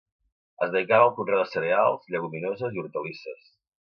Es dedicava al conreu de cereals, lleguminoses i hortalisses.